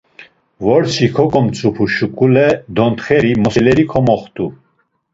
Vorsi koǩomtzupu şuǩale dontxeri moseleri komoxtu.